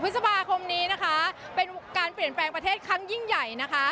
พฤษภาคมนี้นะคะเป็นการเปลี่ยนแปลงประเทศครั้งยิ่งใหญ่นะคะ